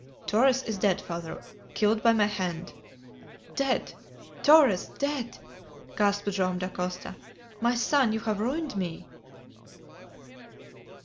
"Torres is dead, father; killed by my hand!" "Dead! Torres! Dead!" gasped Joam Dacosta. "My son! You have ruined me!"